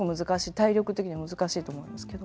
体力的にも難しいと思うんですけど。